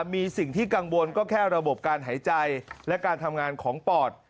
มีสิ่งที่กังวลก็แค่ระบบการหายใจและการทำงานของปอด